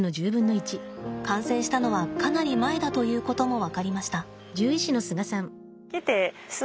感染したのはかなり前だということも分かりました。